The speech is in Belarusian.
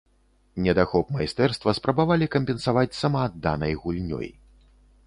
Недахоп майстэрства спрабавалі кампенсаваць самаадданай гульнёй.